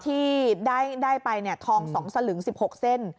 ที่ได้ไปทอง๒สลึง๑๖เส้น